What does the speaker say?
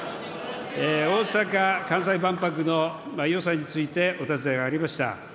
大阪・関西万博の予算についてお尋ねがありました。